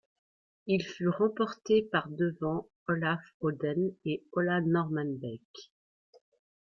Il fut remporté par devant Olav Odden et Ola Normann Bakke.